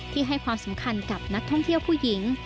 ให้ความสำคัญกับนักท่องเที่ยวผู้หญิง